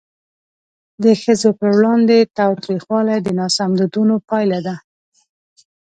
د ښځو پر وړاندې تاوتریخوالی د ناسم دودونو پایله ده.